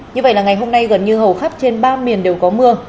như vậy là ngày hôm nay gần như hầu khắp trên ba miền đều có mưa